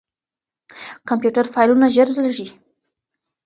کمپيوټر فايلونه ژر لېږي.